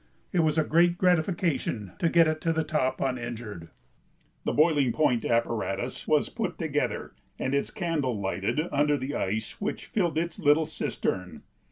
It was a great gratification to get it to the top uninjured. The boiling point apparatus was put together and its candle lighted under the ice which filled its little cistern.